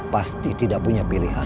pasti tidak punya pilihan